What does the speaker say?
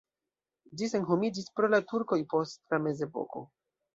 Ĝi senhomiĝis pro la turkoj post la mezepoko.